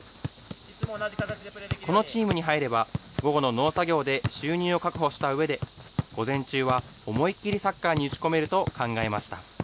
このチームに入れば、午後の農作業で収入を確保したうえで、午前中は思い切りサッカーに打ち込めると考えました。